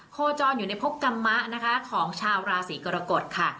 โคจรอยู่ในพบกรรมะนะคะของชาวราศีกรกฎค่ะ